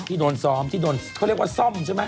โดนซ้อมที่โดนเขาเรียกว่าซ่อมใช่ไหม